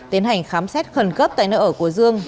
tiến hành khám xét khẩn cấp tại nơi ở của dương